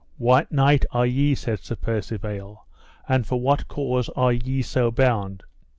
What knight are ye, said Sir Percivale, and for what cause are ye so bound?